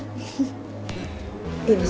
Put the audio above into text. ini semua berkat kau